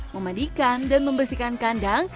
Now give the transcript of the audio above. memandikan dan membersihkan kandang